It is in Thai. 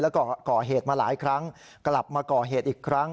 แล้วก็ก่อเหตุมาหลายครั้งกลับมาก่อเหตุอีกครั้ง